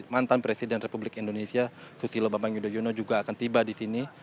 mantan presiden republik indonesia susilo bambang yudhoyono juga akan tiba di sini